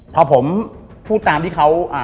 พอผมพูดตามที่เขา